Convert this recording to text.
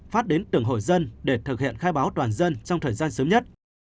phát đến từng hội dân để thực hiện khai báo toàn dân trong thời gian sớm nhất